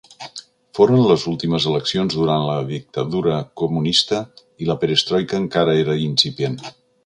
Foren les últimes eleccions durant la dictadura comunista i la perestroika encara era incipient.